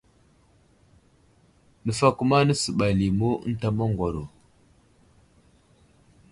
Nəfakuma nasəɓay limu ənta maŋgwaro.